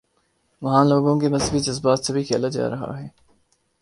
وہاں لوگوں کے مذہبی جذبات سے بھی کھیلاجا رہا ہے۔